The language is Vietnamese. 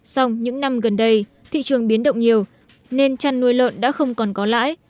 xong những năm gần đây thị trường biến động nhiều nên chăn nuôi lợn đã không còn có lãi